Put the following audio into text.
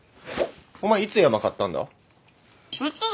お前いつ山買ったんだ？